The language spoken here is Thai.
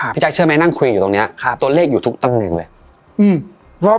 แจ๊คเชื่อไหมนั่งคุยอยู่ตรงนี้ตัวเลขอยู่ทุกตำแหน่งเลย